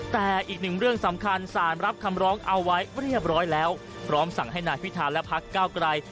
แต่อีกหนึ่งเรื่องสำคัญสารรับคำร้องเอาไว้เรียบร้อยแล้วพร้อมสั่งให้นายพิธาและพักเก้าไกร